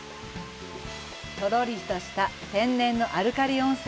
とろりとした天然のアルカリ温泉。